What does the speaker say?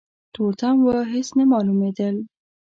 تورتم و هيڅ نه مالومېدل.